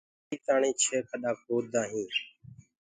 ٽيڪيٚ تآڻي ڇي کڏآ کودآ هينٚ